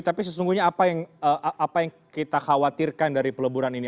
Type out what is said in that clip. tapi sesungguhnya apa yang kita khawatirkan dari peleburan ini